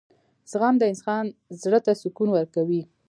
• زغم د انسان زړۀ ته سکون ورکوي.